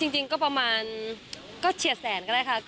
จริงก็ประมาณก็เฉียดแสนก็ได้ค่ะ